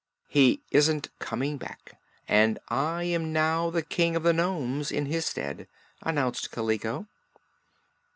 "He isn't coming back, and I am now the King of the Nomes, in his stead," announced Kaliko.